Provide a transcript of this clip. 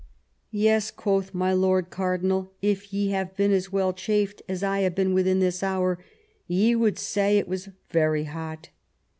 "Yea," quoth my lord cardinal, "if ye had been as well chafed as I have been within this hour ye would say it was very hot."